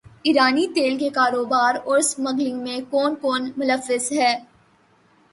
ایرانی تیل کے کاروبار اور اسمگلنگ میں کون کون ملوث ہے